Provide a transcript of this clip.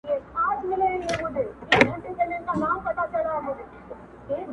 دا ځلې داسې زړه باندی داغلي يو جانانه